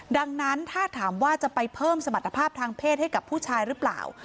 ดังนั้นถ้าถามว่าจะไปเพิ่มสมรรถภาพทางเพศให้กับผู้ชายหรือเปล่า